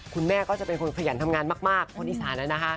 คุณแม่ก็จะเป็นคนขยันทำงานมากคนอีสานนะคะ